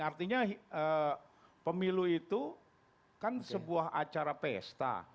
artinya pemilu itu kan sebuah acara pesta